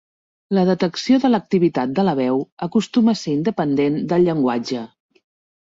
La detecció de l'activitat de la veu acostuma a ser independent del llenguatge.